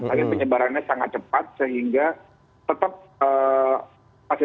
tapi penyebarannya sangat cepat sehingga tetap